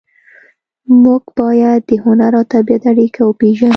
موږ باید د هنر او طبیعت اړیکه وپېژنو